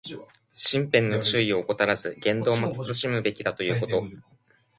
身辺の注意を怠らず、言動も慎むべきだということ。